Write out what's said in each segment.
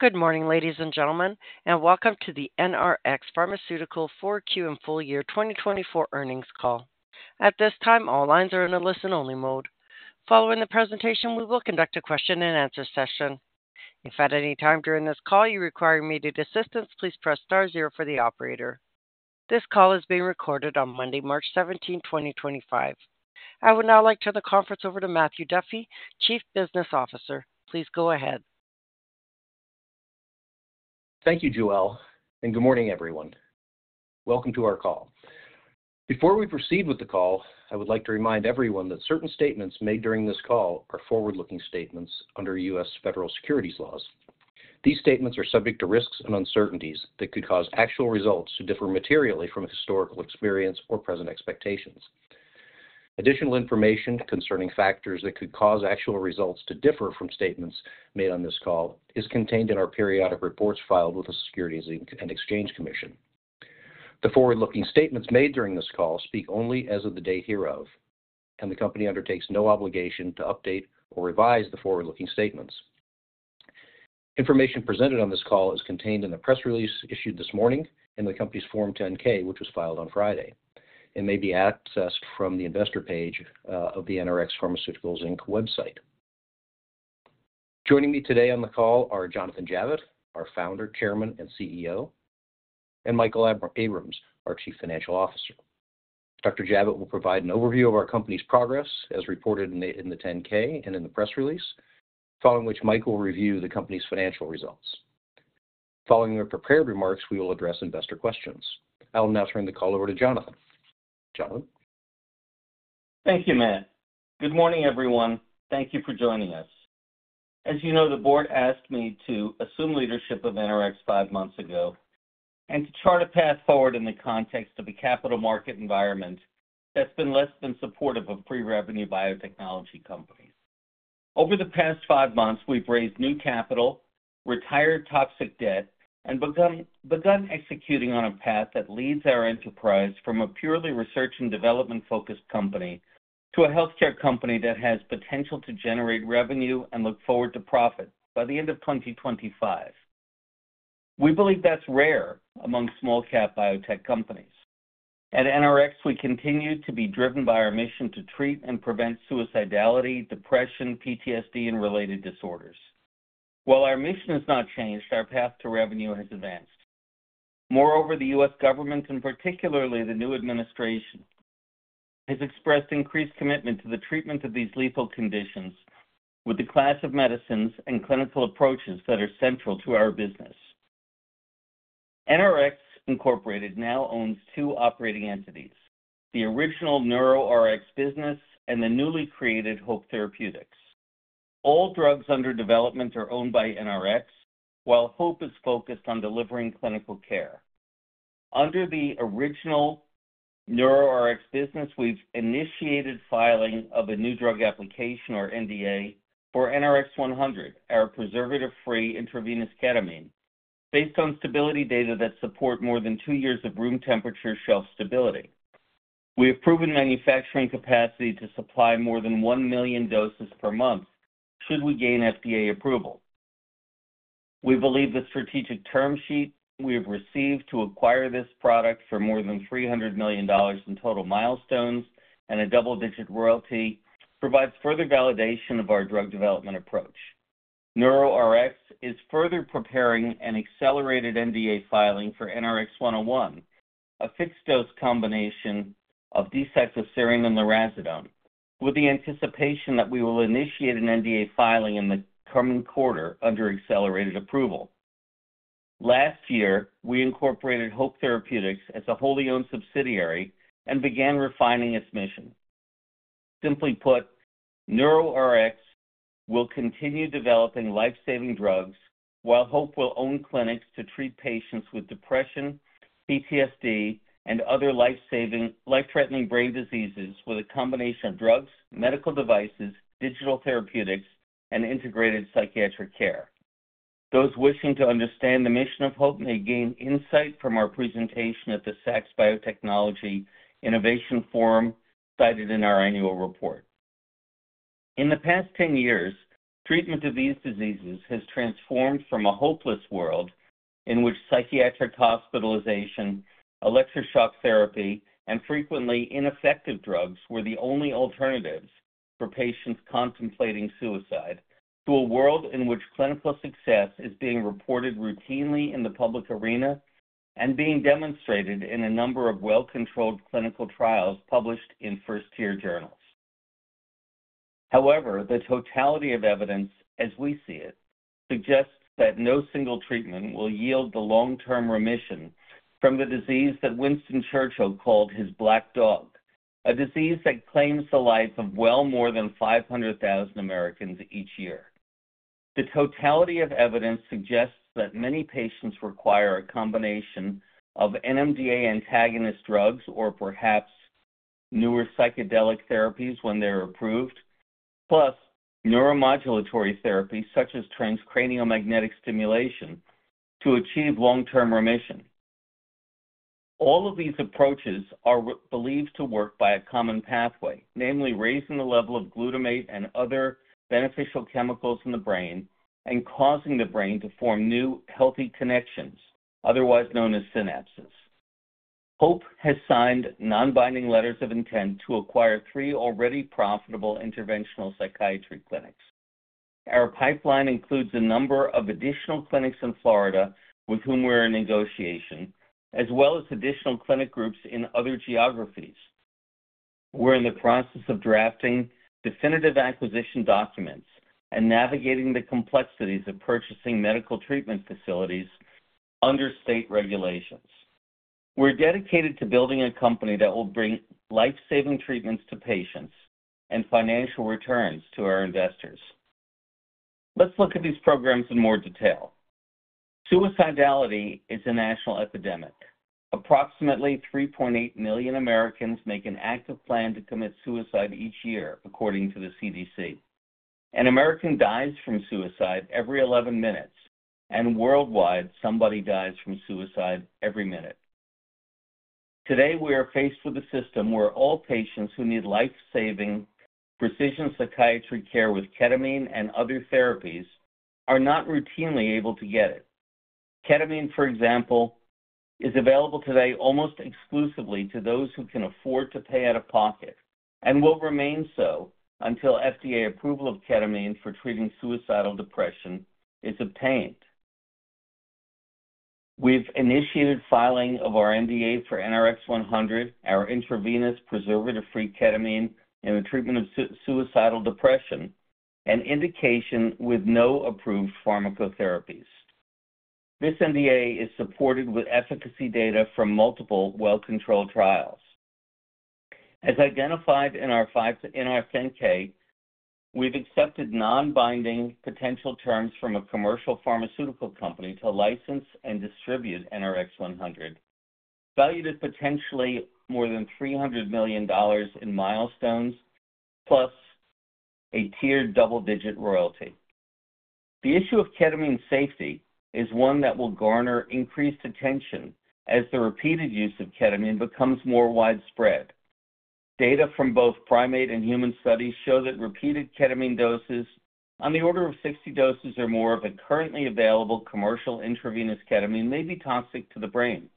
Good morning, ladies and gentlemen, and welcome to the NRx Pharmaceuticals' fourth quarter and full year 2024 earnings call. At this time, all lines are in a listen-only mode. Following the presentation, we will conduct a question-and-answer session. If at any time during this call you require immediate assistance, please press star zero for the operator. This call is being recorded on Monday, March 17, 2025. I would now like to turn the conference over to Matthew Duffy, Chief Business Officer. Please go ahead. Thank you, Joelle, and good morning, everyone. Welcome to our call. Before we proceed with the call, I would like to remind everyone that certain statements made during this call are forward-looking statements under U.S. federal securities laws. These statements are subject to risks and uncertainties that could cause actual results to differ materially from historical experience or present expectations. Additional information concerning factors that could cause actual results to differ from statements made on this call is contained in our periodic reports filed with the Securities and Exchange Commission. The forward-looking statements made during this call speak only as of the day hereof, and the company undertakes no obligation to update or revise the forward-looking statements. Information presented on this call is contained in the press release issued this morning and the company's Form 10-K, which was filed on Friday. It may be accessed from the investor page of the NRx Pharmaceuticals website. Joining me today on the call are Jonathan Javitt, our founder, chairman, and CEO, and Michael Abrams, our Chief Financial Officer. Dr. Javitt will provide an overview of our company's progress as reported in the 10-K and in the press release, following which Michael will review the company's financial results. Following our prepared remarks, we will address investor questions. I will now turn the call over to Jonathan. Jonathan. Thank you, Matt. Good morning, everyone. Thank you for joining us. As you know, the board asked me to assume leadership of NRx five months ago and to chart a path forward in the context of a capital market environment that's been less than supportive of pre-revenue biotechnology companies. Over the past five months, we've raised new capital, retired toxic debt, and begun executing on a path that leads our enterprise from a purely research and development-focused company to a healthcare company that has potential to generate revenue and look forward to profit by the end of 2025. We believe that's rare among small-cap biotech companies. At NRx, we continue to be driven by our mission to treat and prevent suicidality, depression, PTSD, and related disorders. While our mission has not changed, our path to revenue has advanced. Moreover, the U.S. Government, and particularly the new administration, has expressed increased commitment to the treatment of these lethal conditions with the class of medicines and clinical approaches that are central to our business. NRx Pharmaceuticals now owns two operating entities: the original NeuroRx business and the newly created Hope Therapeutics. All drugs under development are owned by NRx, while Hope is focused on delivering clinical care. Under the original NeuroRx business, we've initiated filing of a New Drug Application, or NDA, for NRX-100, our preservative-free intravenous ketamine, based on stability data that support more than two years of room temperature shelf stability. We have proven manufacturing capacity to supply more than one million doses per month should we gain FDA approval. We believe the strategic term sheet we have received to acquire this product for more than $300 million in total milestones and a double-digit royalty provides further validation of our drug development approach. NeuroRx is further preparing an accelerated NDA filing for NRX-101, a fixed-dose combination of D-cycloserine and lurasidone, with the anticipation that we will initiate an NDA filing in the coming quarter under accelerated approval. Last year, we incorporated Hope Therapeutics as a wholly-owned subsidiary and began refining its mission. Simply put, NeuroRx will continue developing lifesaving drugs, while Hope will own clinics to treat patients with depression, PTSD, and other life-threatening brain diseases with a combination of drugs, medical devices, digital therapeutics, and integrated psychiatric care. Those wishing to understand the mission of Hope may gain insight from our presentation at the Sachs Biotechnology Innovation Forum cited in our annual report. In the past 10 years, treatment of these diseases has transformed from a hopeless world in which psychiatric hospitalization, electroshock therapy, and frequently ineffective drugs were the only alternatives for patients contemplating suicide to a world in which clinical success is being reported routinely in the public arena and being demonstrated in a number of well-controlled clinical trials published in first-tier journals. However, the totality of evidence, as we see it, suggests that no single treatment will yield the long-term remission from the disease that Winston Churchill called his black dog, a disease that claims the life of well more than 500,000 Americans each year. The totality of evidence suggests that many patients require a combination of NMDA antagonist drugs or perhaps newer psychedelic therapies when they're approved, plus neuromodulatory therapies such as transcranial magnetic stimulation to achieve long-term remission. All of these approaches are believed to work by a common pathway, namely raising the level of glutamate and other beneficial chemicals in the brain and causing the brain to form new healthy connections, otherwise known as synapses. Hope has signed non-binding letters of intent to acquire three already profitable interventional psychiatry clinics. Our pipeline includes a number of additional clinics in Florida with whom we're in negotiation, as well as additional clinic groups in other geographies. We're in the process of drafting definitive acquisition documents and navigating the complexities of purchasing medical treatment facilities under state regulations. We're dedicated to building a company that will bring lifesaving treatments to patients and financial returns to our investors. Let's look at these programs in more detail. Suicidality is a national epidemic. Approximately 3.8 million Americans make an active plan to commit suicide each year, according to the CDC. An American dies from suicide every 11 minutes, and worldwide, somebody dies from suicide every minute. Today, we are faced with a system where all patients who need lifesaving, precision psychiatry care with ketamine and other therapies are not routinely able to get it. Ketamine, for example, is available today almost exclusively to those who can afford to pay out of pocket and will remain so until FDA approval of ketamine for treating suicidal depression is obtained. We've initiated filing of our NDA for NRX-100, our intravenous preservative-free ketamine, and the treatment of suicidal depression, an indication with no approved pharmacotherapies. This NDA is supported with efficacy data from multiple well-controlled trials. As identified in our 10-K, we've accepted non-binding potential terms from a commercial pharmaceutical company to license and distribute NRX-100, valued at potentially more than $300 million in milestones, plus a tiered double-digit royalty. The issue of ketamine safety is one that will garner increased attention as the repeated use of ketamine becomes more widespread. Data from both primate and human studies show that repeated ketamine doses, on the order of 60 doses or more, of a currently available commercial intravenous ketamine may be toxic to the brain.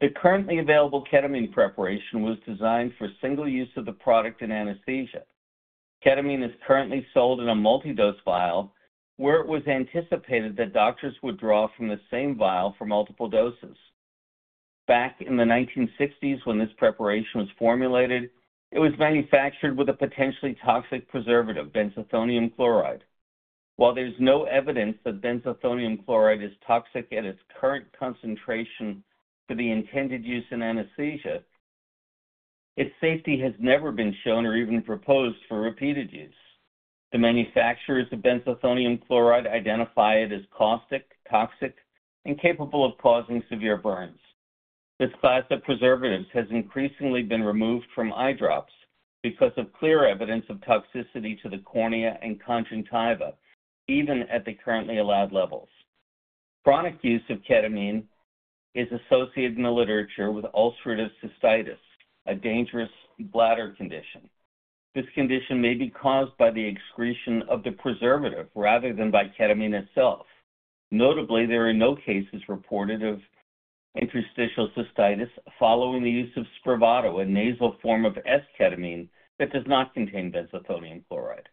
The currently available ketamine preparation was designed for single use of the product in anesthesia. Ketamine is currently sold in a multi-dose vial, where it was anticipated that doctors would draw from the same vial for multiple doses. Back in the 1960s, when this preparation was formulated, it was manufactured with a potentially toxic preservative, benzethonium chloride. While there's no evidence that benzethonium chloride is toxic at its current concentration for the intended use in anesthesia, its safety has never been shown or even proposed for repeated use. The manufacturers of benzethonium chloride identify it as caustic, toxic, and capable of causing severe burns. This class of preservatives has increasingly been removed from eye drops because of clear evidence of toxicity to the cornea and conjunctiva, even at the currently allowed levels. Chronic use of ketamine is associated in the literature with ulcerative cystitis, a dangerous bladder condition. This condition may be caused by the excretion of the preservative rather than by ketamine itself. Notably, there are no cases reported of interstitial cystitis following the use of Spravato, a nasal form of S-ketamine that does not contain benzethonium chloride.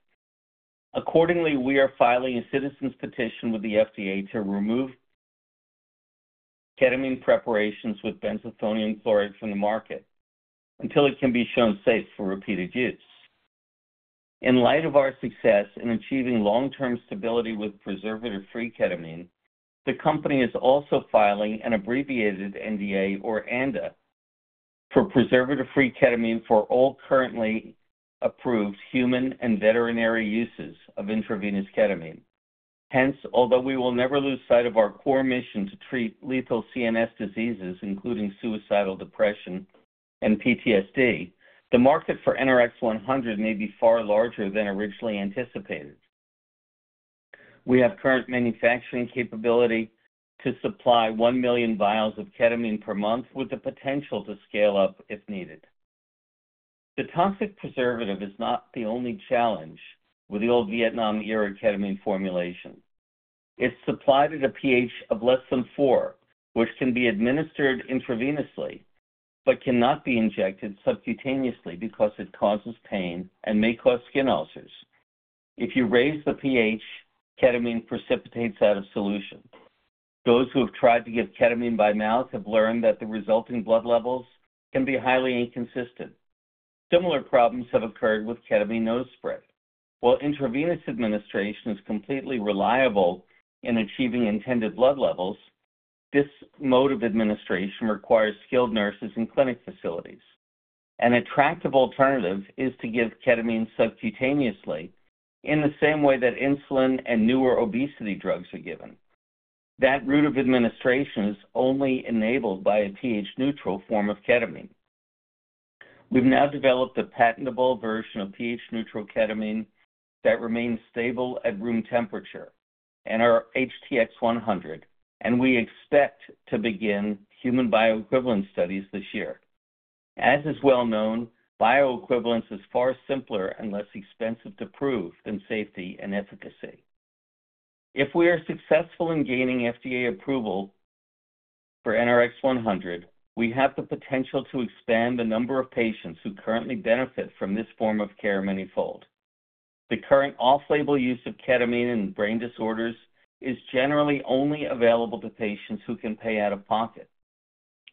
Accordingly, we are filing a citizens' petition with the FDA to remove ketamine preparations with benzethonium chloride from the market until it can be shown safe for repeated use. In light of our success in achieving long-term stability with preservative-free ketamine, the company is also filing an abbreviated NDA, or ANDA, for preservative-free ketamine for all currently approved human and veterinary uses of intravenous ketamine. Hence, although we will never lose sight of our core mission to treat lethal CNS diseases, including suicidal depression and PTSD, the market for NRX-100 may be far larger than originally anticipated. We have current manufacturing capability to supply one million vials of ketamine per month, with the potential to scale up if needed. The toxic preservative is not the only challenge with the old Vietnam era ketamine formulation. It's supplied at a pH of less than 4, which can be administered intravenously but cannot be injected subcutaneously because it causes pain and may cause skin ulcers. If you raise the pH, ketamine precipitates out of solution. Those who have tried to give ketamine by mouth have learned that the resulting blood levels can be highly inconsistent. Similar problems have occurred with ketamine nose spray. While intravenous administration is completely reliable in achieving intended blood levels, this mode of administration requires skilled nurses in clinic facilities. An attractive alternative is to give ketamine subcutaneously in the same way that insulin and newer obesity drugs are given. That route of administration is only enabled by a pH-neutral form of ketamine. We've now developed a patentable version of pH-neutral ketamine that remains stable at room temperature and our HTX-100, and we expect to begin human bioequivalent studies this year. As is well known, bioequivalence is far simpler and less expensive to prove than safety and efficacy. If we are successful in gaining FDA approval for NRx-100, we have the potential to expand the number of patients who currently benefit from this form of care manyfold. The current off-label use of ketamine in brain disorders is generally only available to patients who can pay out of pocket.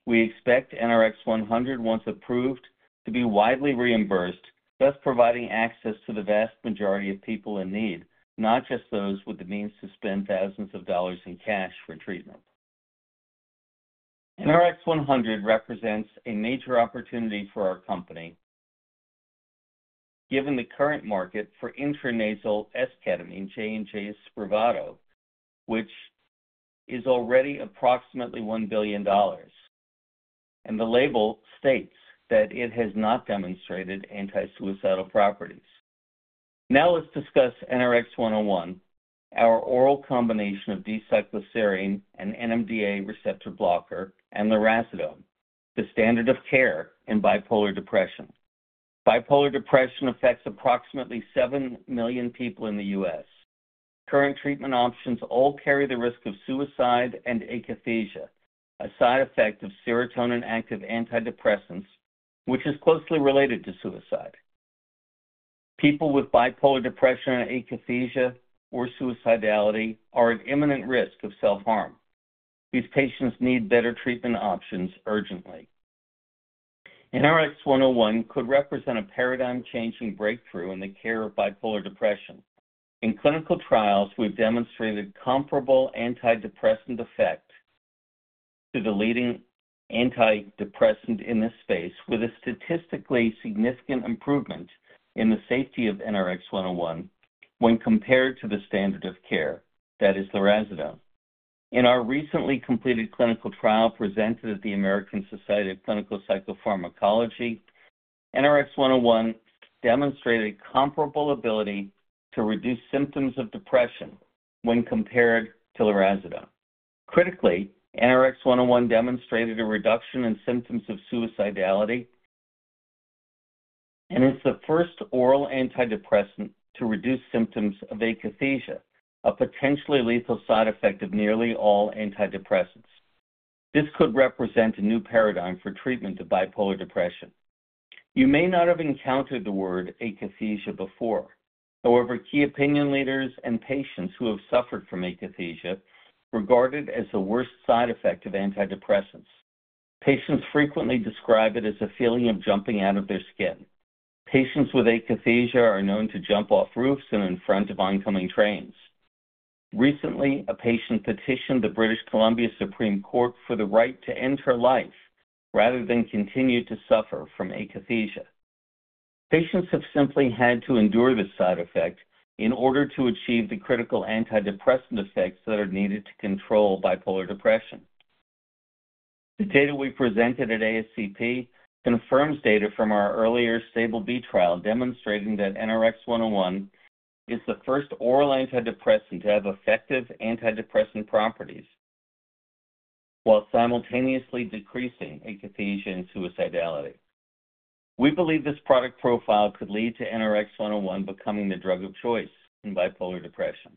We expect NRx-100, once approved, to be widely reimbursed, thus providing access to the vast majority of people in need, not just those with the means to spend thousands of dollars in cash for treatment. NRx-100 represents a major opportunity for our company given the current market for intranasal S-ketamine, J&J's Spravato, which is already approximately $1 billion, and the label states that it has not demonstrated anti-suicidal properties. Now let's discuss NRx-101, our oral combination of D-cycloserine and NMDA receptor blocker and lurasidone, the standard of care in bipolar depression. Bipolar depression affects approximately 7 million people in the US. Current treatment options all carry the risk of suicide and akathisia, a side effect of serotonin-active antidepressants, which is closely related to suicide. People with bipolar depression and akathisia or suicidality are at imminent risk of self-harm. These patients need better treatment options urgently. NRx-101 could represent a paradigm-changing breakthrough in the care of bipolar depression. In clinical trials, we've demonstrated comparable antidepressant effect to the leading antidepressant in this space, with a statistically significant improvement in the safety of NRx-101 when compared to the standard of care, that is, lorazepam. In our recently completed clinical trial presented at the American Society of Clinical Psychopharmacology, NRx-101 demonstrated comparable ability to reduce symptoms of depression when compared to lorazepam. Critically, NRX-101 demonstrated a reduction in symptoms of suicidality, and it's the first oral antidepressant to reduce symptoms of akathisia, a potentially lethal side effect of nearly all antidepressants. This could represent a new paradigm for treatment of bipolar depression. You may not have encountered the word akathisia before. However, key opinion leaders and patients who have suffered from akathisia regard it as the worst side effect of antidepressants. Patients frequently describe it as a feeling of jumping out of their skin. Patients with akathisia are known to jump off roofs and in front of oncoming trains. Recently, a patient petitioned the British Columbia Supreme Court for the right to end her life rather than continue to suffer from akathisia. Patients have simply had to endure this side effect in order to achieve the critical antidepressant effects that are needed to control bipolar depression. The data we presented at ASCP confirms data from our earlier STABLE-B trial demonstrating that NRX-101 is the first oral antidepressant to have effective antidepressant properties while simultaneously decreasing akathisia and suicidality. We believe this product profile could lead to NRX-101 becoming the drug of choice in bipolar depression.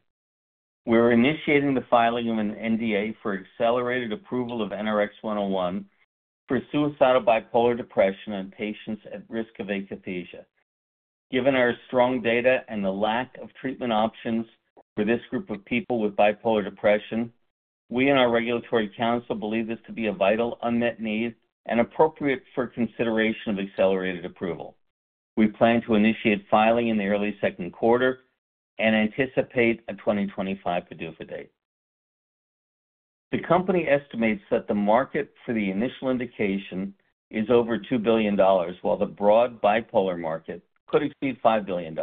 We're initiating the filing of an NDA for accelerated approval of NRX-101 for suicidal bipolar depression in patients at risk of akathisia. Given our strong data and the lack of treatment options for this group of people with bipolar depression, we and our regulatory counsel believe this to be a vital unmet need and appropriate for consideration of accelerated approval. We plan to initiate filing in the early second quarter and anticipate a 2025 PDUFA date. The company estimates that the market for the initial indication is over $2 billion, while the broad bipolar market could exceed $5 billion.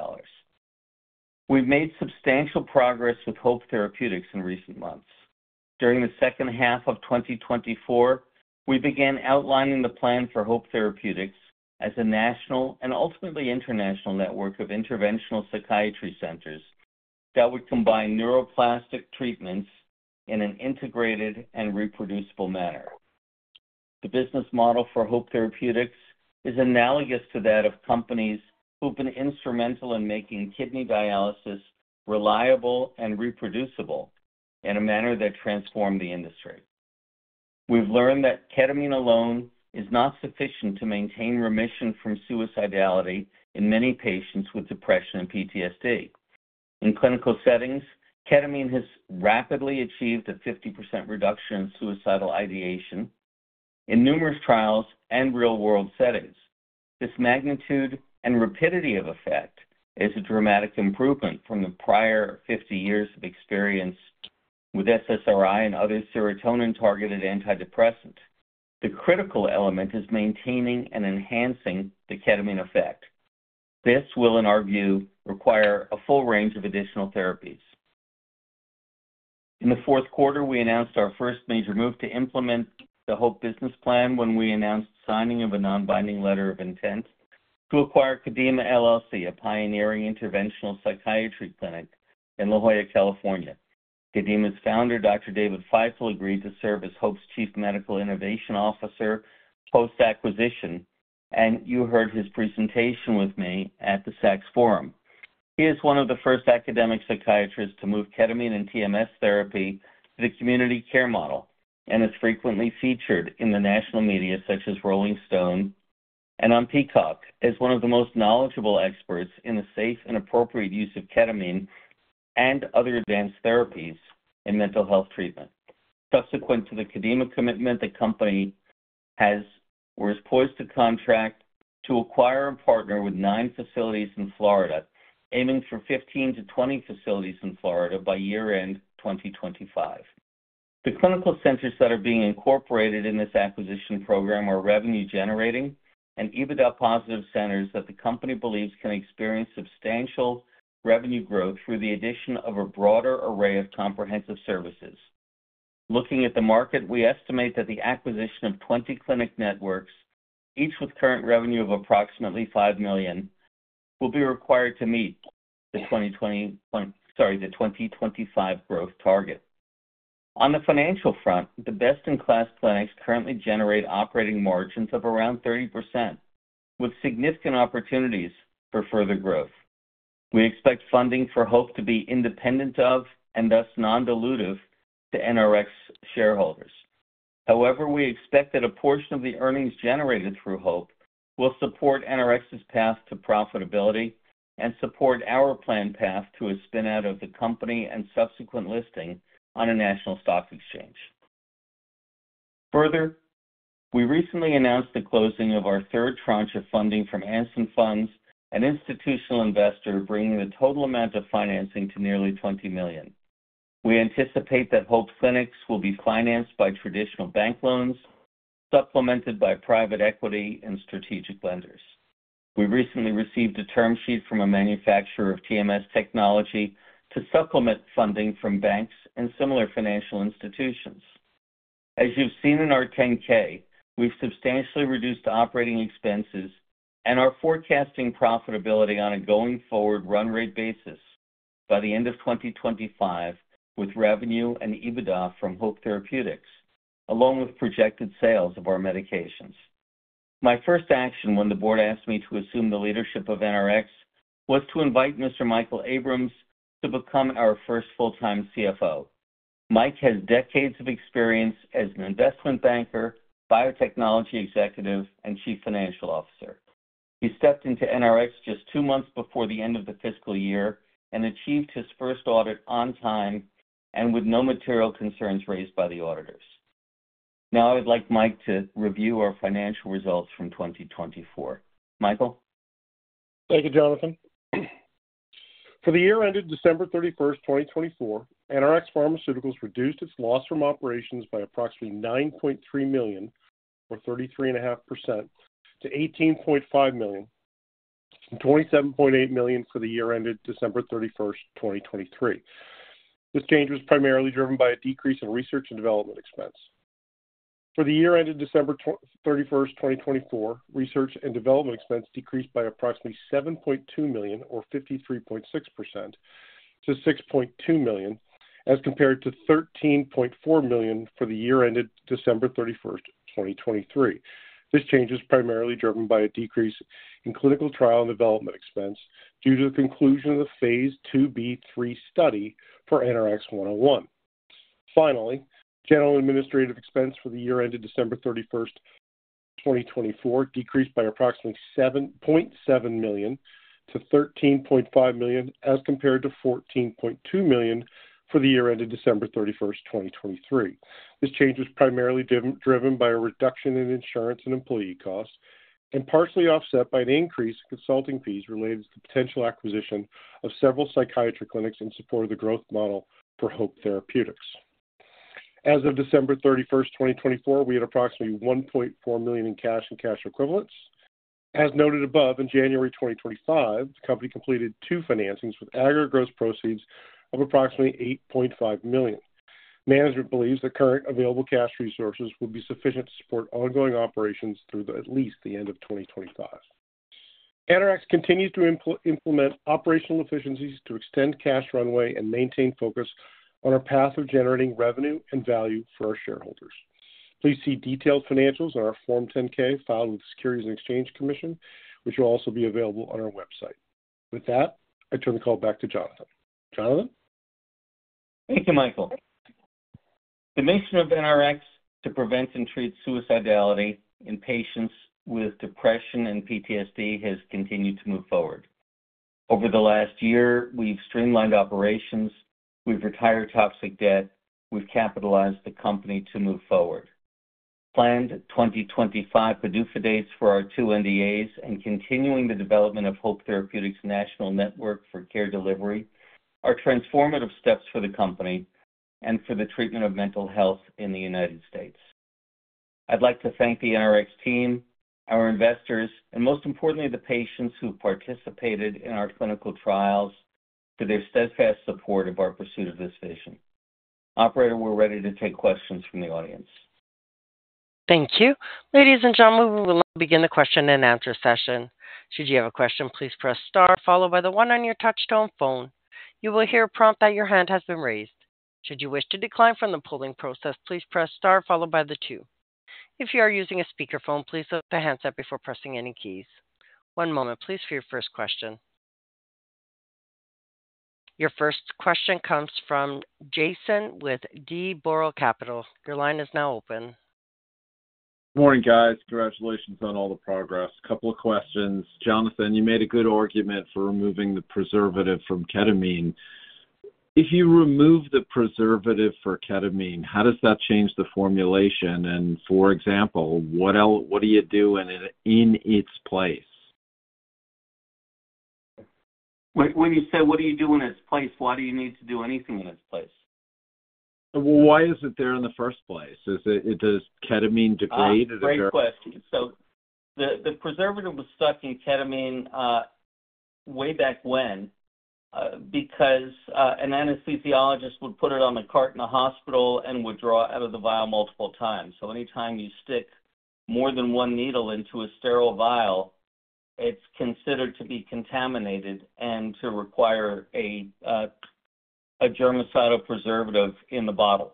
We've made substantial progress with Hope Therapeutics in recent months. During the second half of 2024, we began outlining the plan for Hope Therapeutics as a national and ultimately international network of interventional psychiatry centers that would combine neuroplastic treatments in an integrated and reproducible manner. The business model for Hope Therapeutics is analogous to that of companies who've been instrumental in making kidney dialysis reliable and reproducible in a manner that transformed the industry. We've learned that ketamine alone is not sufficient to maintain remission from suicidality in many patients with depression and PTSD. In clinical settings, ketamine has rapidly achieved a 50% reduction in suicidal ideation in numerous trials and real-world settings. This magnitude and rapidity of effect is a dramatic improvement from the prior 50 years of experience with SSRI and other serotonin-targeted antidepressants. The critical element is maintaining and enhancing the ketamine effect. This will, in our view, require a full range of additional therapies. In the fourth quarter, we announced our first major move to implement the Hope Business Plan when we announced signing of a non-binding letter of intent to acquire Kadima, LLC, a pioneering interventional psychiatry clinic in La Jolla, California. Kadima's founder, Dr. David Feifel, agreed to serve as Hope's Chief Medical Innovation Officer post-acquisition, and you heard his presentation with me at the SACS Forum. He is one of the first academic psychiatrists to move ketamine and TMS therapy to the community care model and is frequently featured in the national media such as Rolling Stone and on Peacock as one of the most knowledgeable experts in the safe and appropriate use of ketamine and other advanced therapies in mental health treatment. Subsequent to the Kadima commitment, the company was poised to contract to acquire and partner with nine facilities in Florida, aiming for 15-20 facilities in Florida by year-end 2025. The clinical centers that are being incorporated in this acquisition program are revenue-generating and EBITDA-positive centers that the company believes can experience substantial revenue growth through the addition of a broader array of comprehensive services. Looking at the market, we estimate that the acquisition of 20 clinic networks, each with current revenue of approximately $5 million, will be required to meet the 2025 growth target. On the financial front, the best-in-class clinics currently generate operating margins of around 30%, with significant opportunities for further growth. We expect funding for Hope to be independent of, and thus non-dilutive to, NRx shareholders. However, we expect that a portion of the earnings generated through Hope will support NRx's path to profitability and support our planned path to a spin-out of the company and subsequent listing on a national stock exchange. Further, we recently announced the closing of our third tranche of funding from Anson Funds, an institutional investor, bringing the total amount of financing to nearly $20 million. We anticipate that Hope Clinics will be financed by traditional bank loans, supplemented by private equity and strategic lenders. We recently received a term sheet from a manufacturer of TMS technology to supplement funding from banks and similar financial institutions. As you've seen in our 10-K, we've substantially reduced operating expenses and are forecasting profitability on a going-forward run-rate basis by the end of 2025 with revenue and EBITDA from Hope Therapeutics, along with projected sales of our medications. My first action when the board asked me to assume the leadership of NRx was to invite Mr. Michael Abrams to become our first full-time CFO. Mike has decades of experience as an investment banker, biotechnology executive, and Chief Financial Officer. He stepped into NRx just two months before the end of the fiscal year and achieved his first audit on time and with no material concerns raised by the auditors. Now I'd like Mike to review our financial results from 2024. Michael? Thank you, Jonathan. For the year ended December 31, 2024, NRx Pharmaceuticals reduced its loss from operations by approximately $9.3 million, or 33.5%, to $18.5 million, and $27.8 million for the year ended December 31, 2023. This change was primarily driven by a decrease in research and development expense. For the year ended December 31, 2024, research and development expense decreased by approximately $7.2 million, or 53.6%, to $6.2 million, as compared to $13.4 million for the year ended December 31, 2023. This change is primarily driven by a decrease in clinical trial and development expense due to the conclusion of the phase 2B3 study for NRX-101. Finally, general administrative expense for the year ended December 31, 2024, decreased by approximately $7.7 million to $13.5 million, as compared to $14.2 million for the year ended December 31, 2023. This change was primarily driven by a reduction in insurance and employee costs and partially offset by an increase in consulting fees related to the potential acquisition of several psychiatric clinics in support of the growth model for Hope Therapeutics. As of December 31, 2024, we had approximately $1.4 million in cash and cash equivalents. As noted above, in January 2025, the company completed two financings with aggregate gross proceeds of approximately $8.5 million. Management believes the current available cash resources will be sufficient to support ongoing operations through at least the end of 2025. NRx continues to implement operational efficiencies to extend cash runway and maintain focus on our path of generating revenue and value for our shareholders. Please see detailed financials on our Form 10-K filed with the Securities and Exchange Commission, which will also be available on our website. With that, I turn the call back to Jonathan. Jonathan? Thank you, Michael. The mission of NRx to prevent and treat suicidality in patients with depression and PTSD has continued to move forward. Over the last year, we've streamlined operations, we've retired toxic debt, we've capitalized the company to move forward. Planned 2025 PDUFA dates for our two NDAs and continuing the development of Hope Therapeutics' national network for care delivery are transformative steps for the company and for the treatment of mental health in the United States. I'd like to thank the NRx team, our investors, and most importantly, the patients who participated in our clinical trials for their steadfast support of our pursuit of this vision. Operator, we're ready to take questions from the audience. Thank you. Ladies and gentlemen, we will now begin the question-and-answer session. Should you have a question, please press Star, followed by the one on your touchstone phone. You will hear a prompt that your hand has been raised. Should you wish to decline from the polling process, please press Star, followed by the 2. If you are using a speakerphone, please lift the hands up before pressing any keys. One moment, please, for your first question. Your first question comes from Jason with D. Boral Capital. Your line is now open. Good morning, guys. Congratulations on all the progress. A couple of questions. Jonathan, you made a good argument for removing the preservative from ketamine. If you remove the preservative for ketamine, how does that change the formulation? For example, what do you do in its place? When you say, "What do you do in its place?" why do you need to do anything in its place? Why is it there in the first place? Does ketamine degrade? That's a great question. The preservative was stuck in ketamine way back when because an anesthesiologist would put it on a cart in a hospital and would draw out of the vial multiple times. Anytime you stick more than one needle into a sterile vial, it's considered to be contaminated and to require a germicidal preservative in the bottle.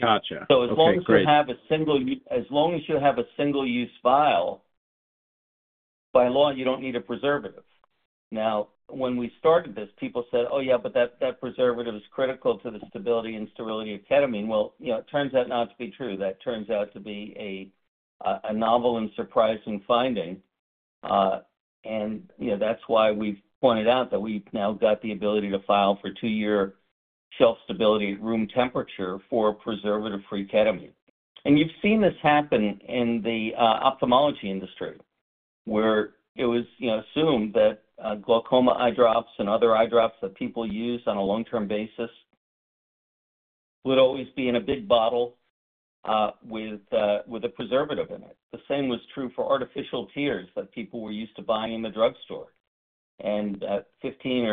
Gotcha. That's a great question. As long as you have a single-use vial, by law, you don't need a preservative. Now, when we started this, people said, "Oh, yeah, but that preservative is critical to the stability and sterility of ketamine." It turns out not to be true. That turns out to be a novel and surprising finding. That is why we have pointed out that we have now got the ability to file for two-year shelf stability at room temperature for preservative-free ketamine. You have seen this happen in the ophthalmology industry, where it was assumed that glaucoma eye drops and other eye drops that people use on a long-term basis would always be in a big bottle with a preservative in it. The same was true for artificial tears that people were used to buying in the drugstore. Fifteen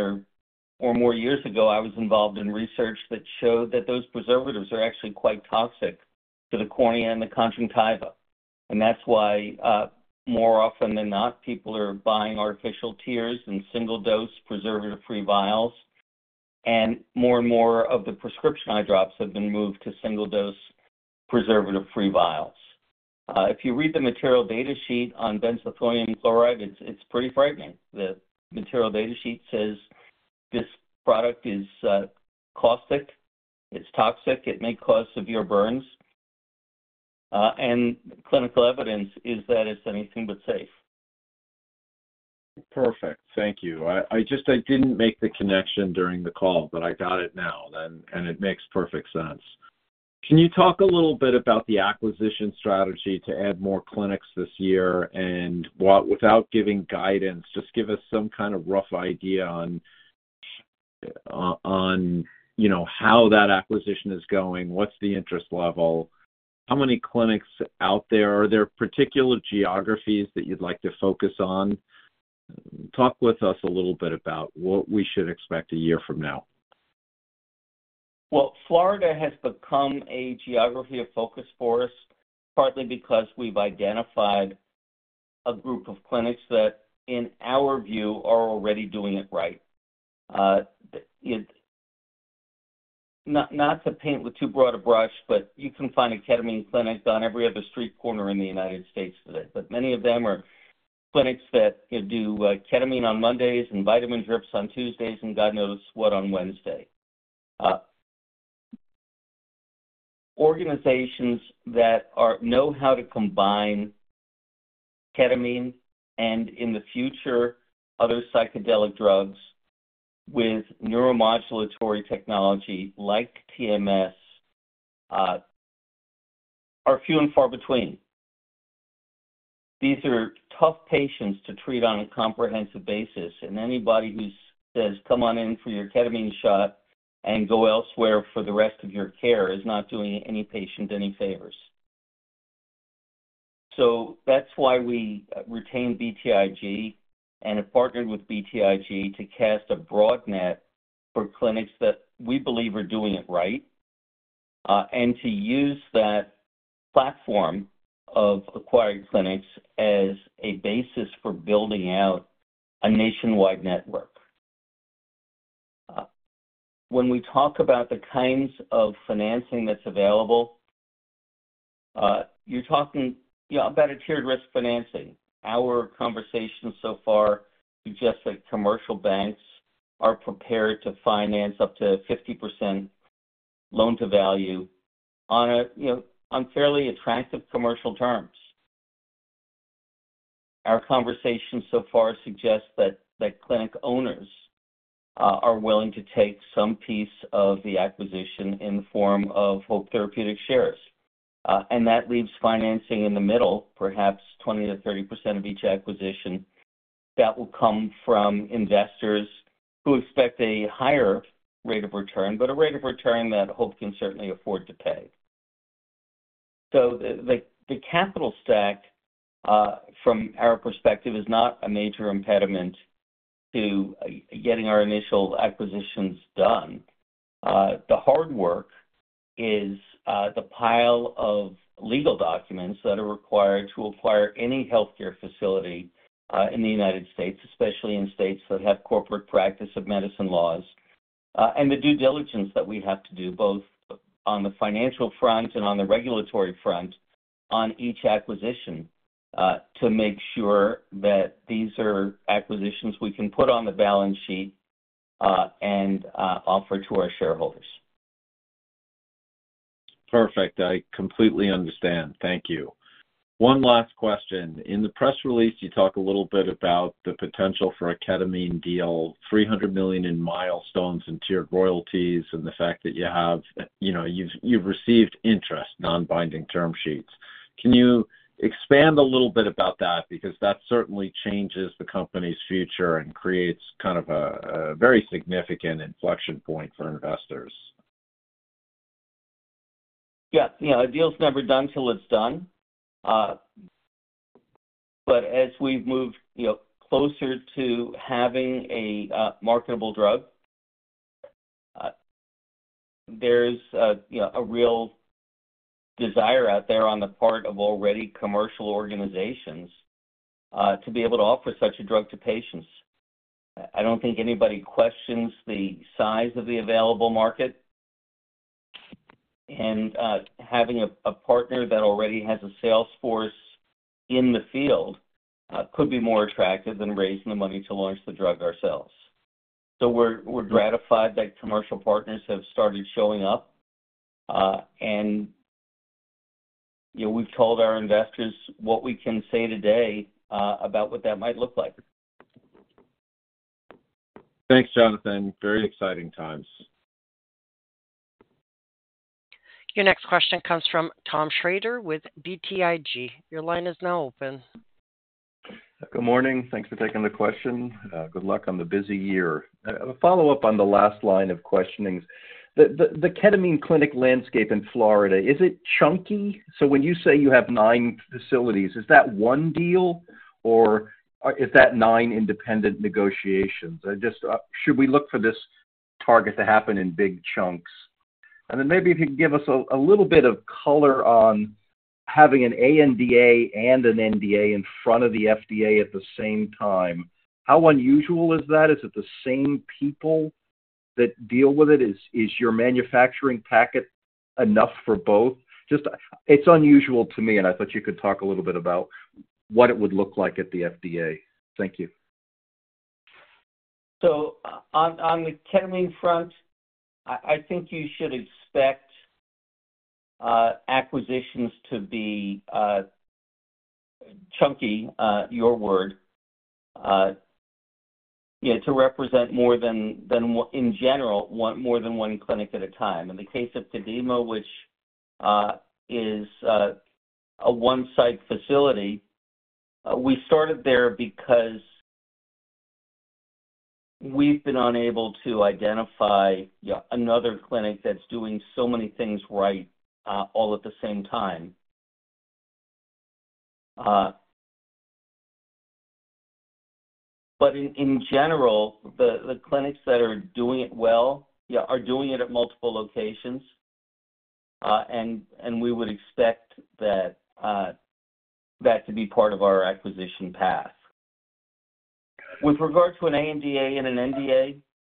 or more years ago, I was involved in research that showed that those preservatives are actually quite toxic to the cornea and the conjunctiva. That is why more often than not, people are buying artificial tears in single-dose preservative-free vials. More and more of the prescription eye drops have been moved to single-dose preservative-free vials. If you read the material data sheet on benzethonium chloride, it's pretty frightening. The material data sheet says this product is caustic, it's toxic, it may cause severe burns. Clinical evidence is that it's anything but safe. Perfect. Thank you. I just didn't make the connection during the call, but I got it now, and it makes perfect sense. Can you talk a little bit about the acquisition strategy to add more clinics this year? Without giving guidance, just give us some kind of rough idea on how that acquisition is going, what's the interest level, how many clinics out there? Are there particular geographies that you'd like to focus on? Talk with us a little bit about what we should expect a year from now. Florida has become a geography of focus for us, partly because we've identified a group of clinics that, in our view, are already doing it right. Not to paint with too broad a brush, but you can find a ketamine clinic on every other street corner in the United States today. Many of them are clinics that do ketamine on Mondays and vitamin drips on Tuesdays and God knows what on Wednesday. Organizations that know how to combine ketamine and, in the future, other psychedelic drugs with neuromodulatory technology like TMS are few and far between. These are tough patients to treat on a comprehensive basis. Anybody who says, "Come on in for your ketamine shot and go elsewhere for the rest of your care," is not doing any patient any favors. That is why we retained BTIG and have partnered with BTIG to cast a broad net for clinics that we believe are doing it right and to use that platform of acquired clinics as a basis for building out a nationwide network. When we talk about the kinds of financing that is available, you are talking about a tiered risk financing. Our conversation so far suggests that commercial banks are prepared to finance up to 50% loan-to-value on fairly attractive commercial terms. Our conversation so far suggests that clinic owners are willing to take some piece of the acquisition in the form of Hope Therapeutics shares. That leaves financing in the middle, perhaps 20-30% of each acquisition, that will come from investors who expect a higher rate of return, but a rate of return that Hope can certainly afford to pay. The capital stack, from our perspective, is not a major impediment to getting our initial acquisitions done. The hard work is the pile of legal documents that are required to acquire any healthcare facility in the United States, especially in states that have corporate practice of medicine laws, and the due diligence that we have to do both on the financial front and on the regulatory front on each acquisition to make sure that these are acquisitions we can put on the balance sheet and offer to our shareholders. Perfect. I completely understand. Thank you. One last question. In the press release, you talk a little bit about the potential for a ketamine deal, $300 million in milestones and tiered royalties, and the fact that you've received interest, non-binding term sheets. Can you expand a little bit about that? Because that certainly changes the company's future and creates kind of a very significant inflection point for investors. Yeah. A deal's never done till it's done. As we've moved closer to having a marketable drug, there's a real desire out there on the part of already commercial organizations to be able to offer such a drug to patients. I don't think anybody questions the size of the available market. Having a partner that already has a sales force in the field could be more attractive than raising the money to launch the drug ourselves. We're gratified that commercial partners have started showing up. We've told our investors what we can say today about what that might look like. Thanks, Jonathan. Very exciting times. Your next question comes from Tom Shrader with BTIG. Your line is now open. Good morning. Thanks for taking the question. Good luck on the busy year. A follow-up on the last line of questionings. The ketamine clinic landscape in Florida, is it chunky? When you say you have nine facilities, is that one deal, or is that nine independent negotiations? Should we look for this target to happen in big chunks? Maybe if you could give us a little bit of color on having an ANDA and an NDA in front of the FDA at the same time. How unusual is that? Is it the same people that deal with it? Is your manufacturing packet enough for both? It's unusual to me, and I thought you could talk a little bit about what it would look like at the FDA. Thank you. On the ketamine front, I think you should expect acquisitions to be chunky, your word, to represent more than, in general, more than one clinic at a time. In the case of Kadima, which is a one-site facility, we started there because we've been unable to identify another clinic that's doing so many things right all at the same time. In general, the clinics that are doing it well are doing it at multiple locations, and we would expect that to be part of our acquisition path. With regard to an ANDA and an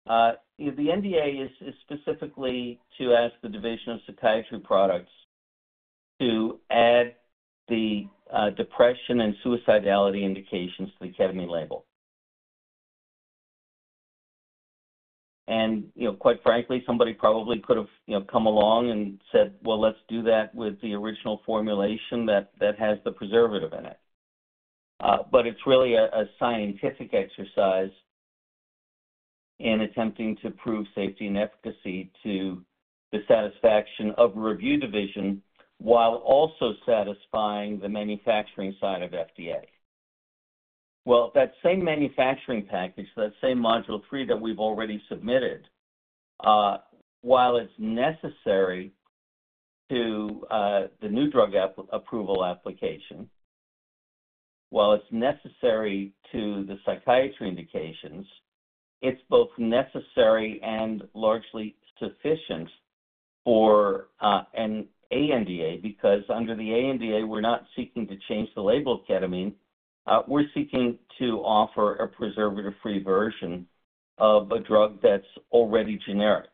NDA, the NDA is specifically to ask the Division of Psychiatry Products to add the depression and suicidality indications to the ketamine label. Quite frankly, somebody probably could have come along and said, "Let's do that with the original formulation that has the preservative in it." It is really a scientific exercise in attempting to prove safety and efficacy to the satisfaction of the review division while also satisfying the manufacturing side of FDA. That same manufacturing package, that same Module 3 that we have already submitted, while it is necessary to the new drug approval application, while it is necessary to the psychiatry indications, it is both necessary and largely sufficient for an ANDA because under the ANDA, we are not seeking to change the label of ketamine. We are seeking to offer a preservative-free version of a drug that is already generic.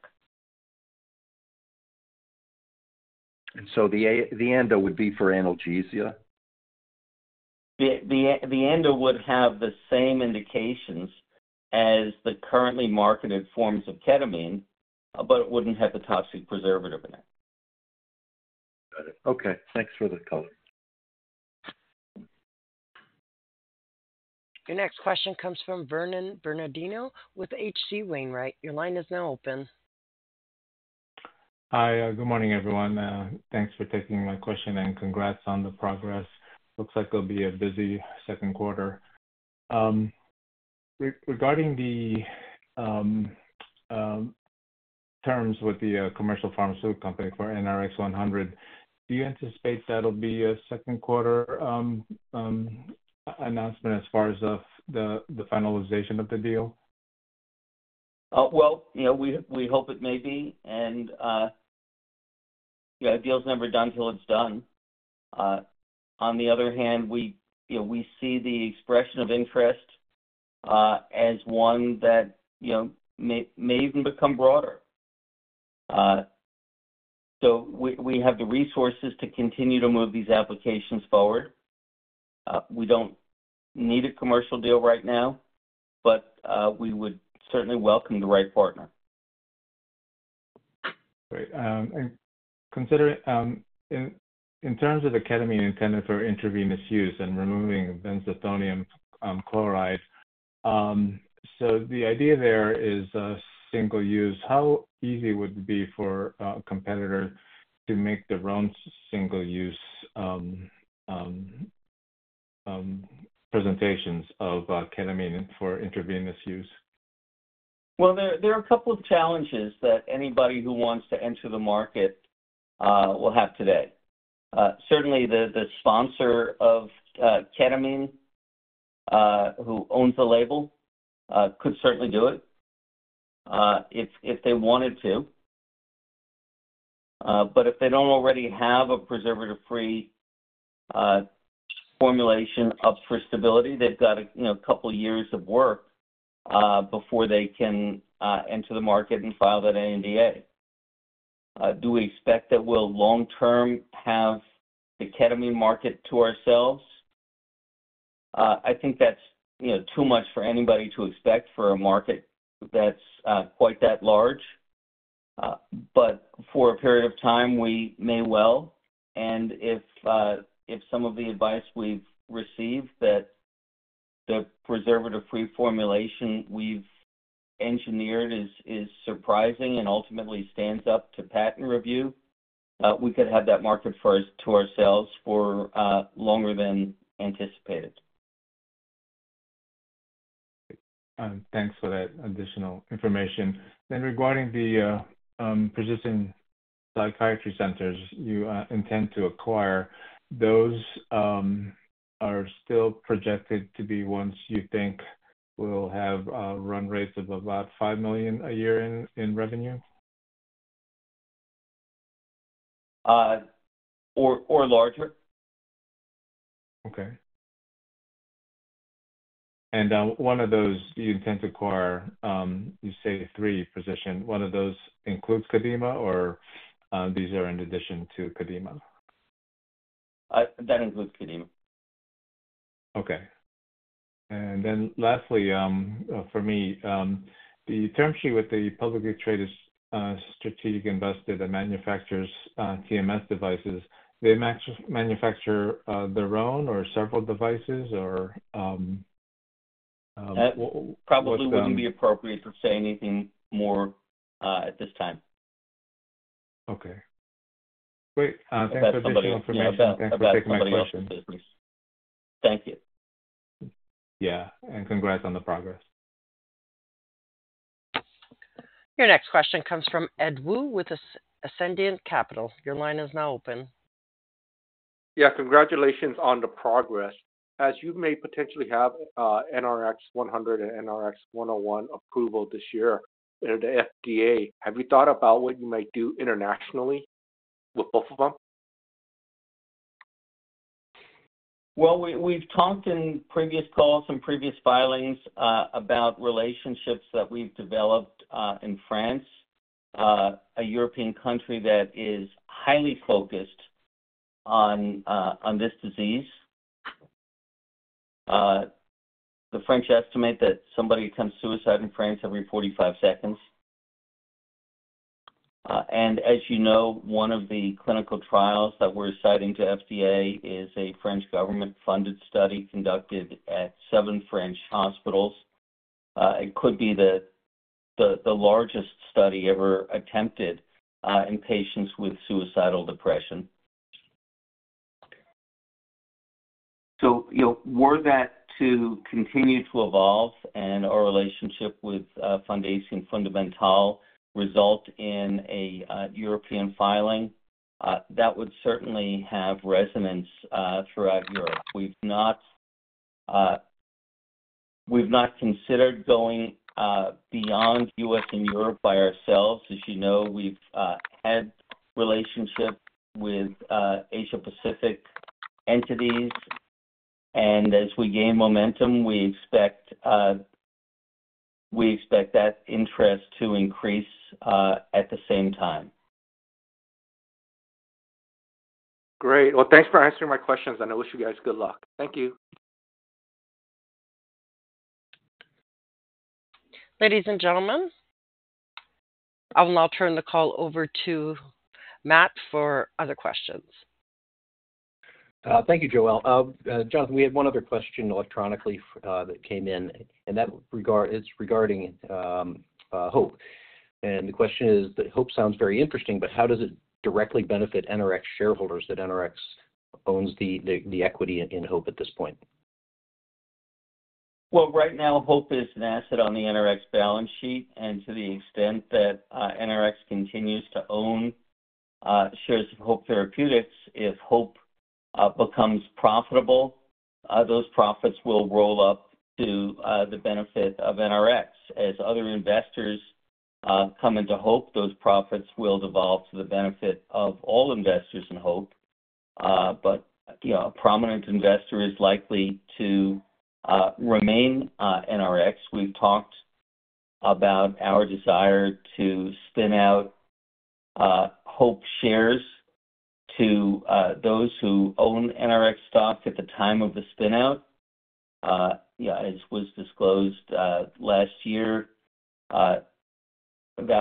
The ANDA would be for analgesia? The ANDA would have the same indications as the currently marketed forms of ketamine, but it would not have the toxic preservative in it. Got it. Okay. Thanks for the comment. Your next question comes from Vernon Bernardino with H.C. Wainwright. Your line is now open. Hi. Good morning, everyone. Thanks for taking my question and congrats on the progress. Looks like it'll be a busy second quarter. Regarding the terms with the commercial pharmaceutical company for NRX-100, do you anticipate that'll be a second quarter announcement as far as the finalization of the deal? We hope it may be. A deal's never done till it's done. On the other hand, we see the expression of interest as one that may even become broader. We have the resources to continue to move these applications forward. We don't need a commercial deal right now, but we would certainly welcome the right partner. Great. In terms of the ketamine intended for intravenous use and removing benzethonium chloride, the idea there is single use. How easy would it be for a competitor to make their own single-use presentations of ketamine for intravenous use? There are a couple of challenges that anybody who wants to enter the market will have today. Certainly, the sponsor of ketamine who owns the label could certainly do it if they wanted to. If they do not already have a preservative-free formulation up for stability, they have a couple of years of work before they can enter the market and file that ANDA. Do we expect that we will long-term have the ketamine market to ourselves? I think that is too much for anybody to expect for a market that is quite that large. For a period of time, we may well. If some of the advice we've received that the preservative-free formulation we've engineered is surprising and ultimately stands up to patent review, we could have that market to ourselves for longer than anticipated. Great. Thanks for that additional information. Regarding the persistent psychiatry centers you intend to acquire, those are still projected to be ones you think will have run rates of about $5 million a year in revenue? Or larger. Okay. One of those you intend to acquire, you say three position. One of those includes Kadeema, or these are in addition to Kadeema? That includes Kadeema. Okay. Lastly, for me, the term sheet with the publicly traded strategic investor that manufactures TMS devices, they manufacture their own or several devices, or? That probably would not be appropriate to say anything more at this time. Okay. Great. Thanks for taking the information about the company. Thank you. Yeah. And congrats on the progress. Your next question comes from Ed Wu with Ascendiant Capital Markets. Your line is now open. Yeah. Congratulations on the progress. As you may potentially have NRX-100 and NRX-101 approval this year at the FDA, have you thought about what you might do internationally with both of them? We've talked in previous calls and previous filings about relationships that we've developed in France, a European country that is highly focused on this disease. The French estimate that somebody commits suicide in France every 45 seconds. As you know, one of the clinical trials that we're citing to FDA is a French government-funded study conducted at seven French hospitals. It could be the largest study ever attempted in patients with suicidal depression. Were that to continue to evolve and our relationship with Fondation FondaMental result in a European filing, that would certainly have resonance throughout Europe. We have not considered going beyond the US and Europe by ourselves. As you know, we have had relationships with Asia-Pacific entities. As we gain momentum, we expect that interest to increase at the same time. Great. Thanks for answering my questions. I wish you guys good luck. Thank you. Ladies and gentlemen, I will now turn the call over to Matt for other questions. Thank you, Joel. Jonathan, we had one other question electronically that came in, and that is regarding Hope. The question is that Hope sounds very interesting, but how does it directly benefit NRx shareholders that NRx owns the equity in Hope at this point? Right now, Hope is an asset on the NRx balance sheet. To the extent that NRx continues to own shares of Hope Therapeutics, if Hope becomes profitable, those profits will roll up to the benefit of NRx. As other investors come into Hope, those profits will devolve to the benefit of all investors in Hope. A prominent investor is likely to remain NRx. We've talked about our desire to spin out Hope shares to those who own NRx stock at the time of the spin-out. As was disclosed last year, that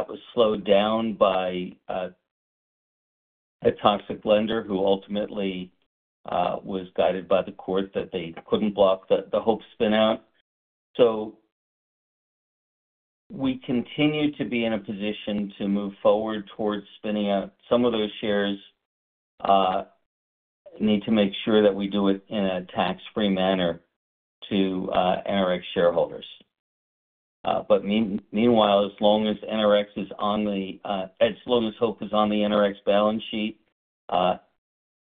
was slowed down by a toxic lender who ultimately was guided by the court that they could not block the Hope spin-out. We continue to be in a position to move forward towards spinning out some of those shares. Need to make sure that we do it in a tax-free manner to NRx shareholders. Meanwhile, as long as NRx is on the, as long as Hope is on the NRx balance sheet,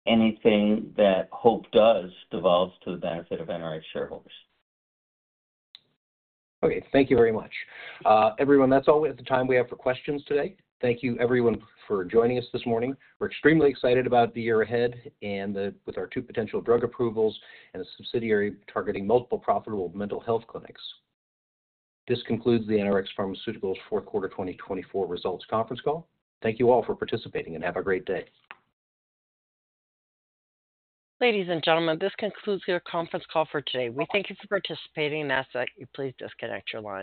anything that Hope does devolves to the benefit of NRx shareholders. Okay. Thank you very much. Everyone, that's all the time we have for questions today. Thank you, everyone, for joining us this morning. We're extremely excited about the year ahead and with our two potential drug approvals and a subsidiary targeting multiple profitable mental health clinics. This concludes the NRx Pharmaceuticals Fourth Quarter 2024 Results Conference Call. Thank you all for participating and have a great day. Ladies and gentlemen, this concludes your conference call for today. We thank you for participating and ask that you please disconnect your line.